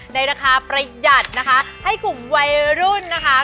ในราคาประหยัดนะคะให้กลุ่มวัยรุ่นนะคะ